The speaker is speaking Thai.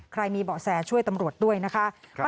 มีเบาะแสช่วยตำรวจด้วยนะคะ